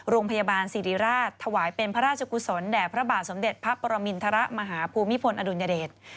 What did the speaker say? โรงพยาบาลศิริราชถวายเป็นพระราชกุศลแด่พระบาทสมเด็จพระปรมินทรมาหาภูมิพลอดุลยเดช